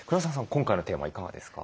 今回のテーマいかがですか？